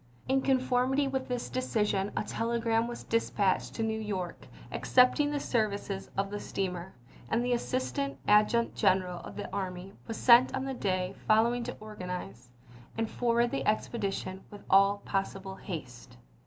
In conformity with this decision a telegram was dispatched to Gen. scott, New York accepting the services of the steamer, and the Assistant Adjutant General of the army was sent on the day following to organize and forward the expedition with all possible haste.